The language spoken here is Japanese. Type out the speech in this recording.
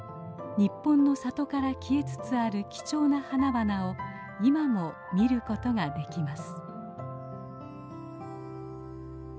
日本の里から消えつつある貴重な花々を今も見ることができます。